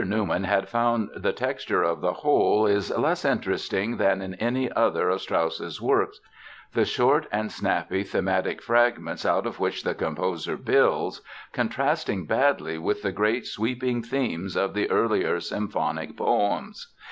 Newman had found the texture of the whole is "less interesting than in any other of Strauss's works; the short and snappy thematic fragments out of which the composer builds contrasting badly with the great sweeping themes of the earlier symphonic poems